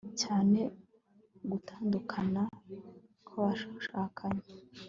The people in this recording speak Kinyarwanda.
cyane gutanduakana kw'abashakanye